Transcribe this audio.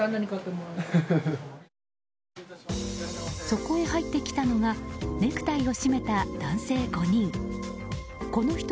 そこへ入ってきたのがネクタイを締めた男性５人。